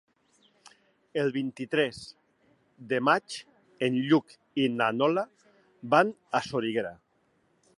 El vint-i-tres de maig en Lluc i na Lola van a Soriguera.